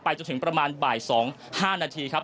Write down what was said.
ไปจนถึงประมาณบ่ายสองห้านาทีครับ